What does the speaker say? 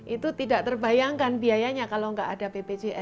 itu tidak terbayangkan biayanya kalau nggak ada bpjs